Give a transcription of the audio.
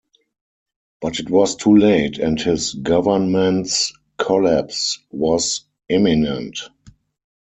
But it was too late, and his government's collapse was imminent.